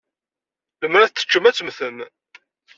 Lemmer ad t-teččem, ad temmtem.